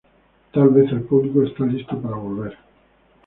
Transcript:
Tal vez el público está listo para volver.